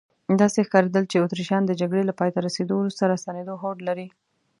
داسې ښکارېدل چې اتریشیان د جګړې له پایته رسیدو وروسته راستنېدو هوډ لري.